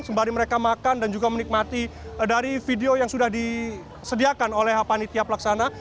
sembari mereka makan dan juga menikmati dari video yang sudah disediakan oleh panitia pelaksana